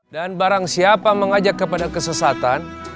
dan barang siapa mengajak kepada kesesatan